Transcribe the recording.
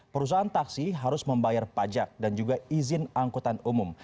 perusahaan taksi harus membayar pajak dan juga izin angkutan umum